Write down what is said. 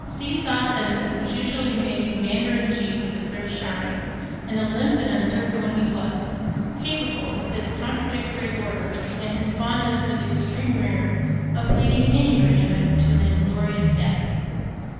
Seesaw Simpson was usually made commander in chief of the British army, and a limp and uncertain one he was, capable, with his contradictory orders and his fondness for the extreme rear, of leading any regiment to an inglorious death.